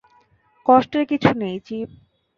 কষ্টের কিছু নেই, চিফ।